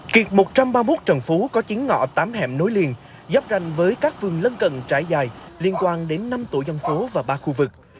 kiệt một trăm ba mươi một trần phú có chín ngõ tám hẻm nối liền giáp ranh với các phương lân cận trải dài liên quan đến năm tổ dân phố và ba khu vực